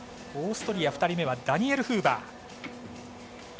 オーストリア２人目はダニエル・フーバー。